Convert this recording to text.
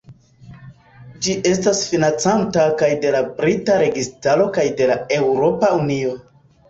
Ĝi estas financata kaj de la brita registaro kaj de la Eŭropa Unio.